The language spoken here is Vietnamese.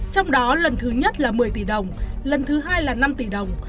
trong đó lần thứ nhất là một mươi tỷ đồng lần thứ hai là năm tỷ đồng